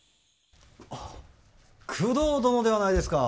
あっ工藤殿ではないですか。